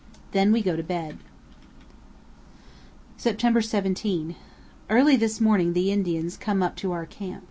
Then we go to bed. September 17. Early this morning the Indians come up to our camp.